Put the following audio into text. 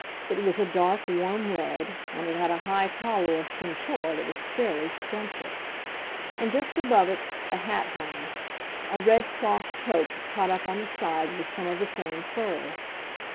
It was a dark, warm red, and it had a high collar of chinchilla that was fairly scrumptious. And just above it the hat hung, a red cloth toque caught up on the side with some of the same fur.